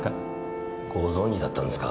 ご存じだったんですか？